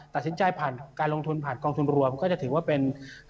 ตัดสินใจผ่านการลงทุนผ่านกองทุนรวมก็จะถือว่าเป็น